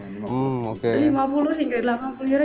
kalau misalnya sampai kita ketangkep karena ngeyel